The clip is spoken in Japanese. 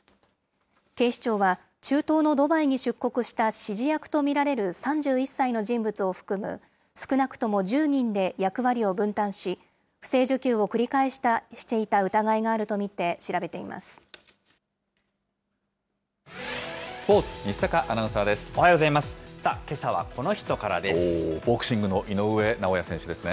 警視庁は、中東のドバイに出国した指示役と見られる３１歳の人物を含む、少なくとも１０人で役割を分担し、不正受給を繰り返していた疑いがあると見て調べていまスポーツ、おはようございます。